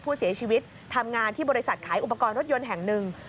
ผู้เสียชีวิตทำงานที่บริษัทขายอุปกรณ์รถยนต์แห่งหนึ่ง